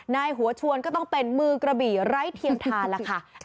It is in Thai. นายหัวชวนก็ต้องเป็นมือกระบี่ไร้เทียมทานล่ะค่ะ